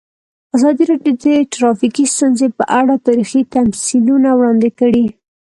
ازادي راډیو د ټرافیکي ستونزې په اړه تاریخي تمثیلونه وړاندې کړي.